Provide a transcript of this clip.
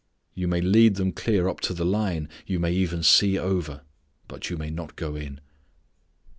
You may lead them clear up to the line; you may even see over, but you may not go in."